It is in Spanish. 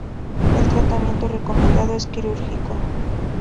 El tratamiento recomendado es quirúrgico.